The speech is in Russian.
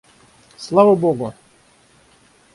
Слава Богу!